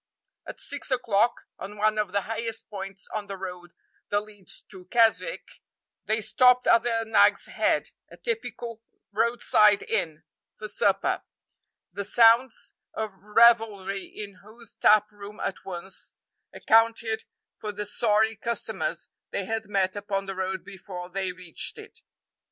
At six o'clock, on one of the highest points on the road that leads to Keswick, they stopped at the Nag's Head, a typical roadside inn, for supper, the sounds of revelry in whose tap room at once accounted for the sorry customers they had met upon the road before they reached it.